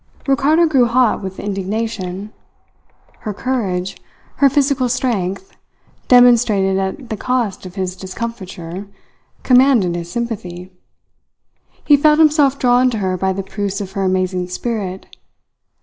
Ricardo grew hot with indignation. Her courage, her physical strength, demonstrated at the cost of his discomfiture, commanded his sympathy. He felt himself drawn to her by the proofs of her amazing spirit.